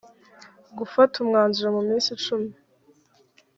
gufata umwanzuro mu minsi icumi